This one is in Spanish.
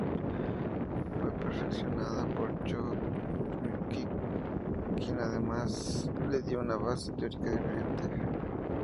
Fue perfeccionada por Chomsky, quien además le dio una base teórica diferente.